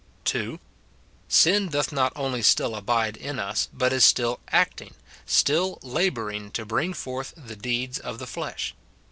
2. Sin doth not only still abide in us, but is still acting, still labouring to bring forth the deeds of the flesh.